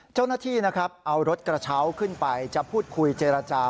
เจ้าหน้าที่นะครับเอารถกระเช้าขึ้นไปจะพูดคุยเจรจา